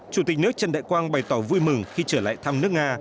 chủ tịch nước trần đại quang bày tỏ vui mừng khi trở lại thăm nước nga